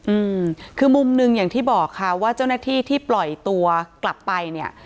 อืมคือมุมหนึ่งอย่างที่บอกค่ะว่าเจ้าหน้าที่ที่ปล่อยตัวกลับไปเนี่ย